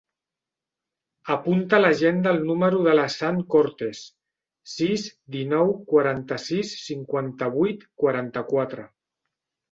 Apunta a l'agenda el número de l'Hassan Cortes: sis, dinou, quaranta-sis, cinquanta-vuit, quaranta-quatre.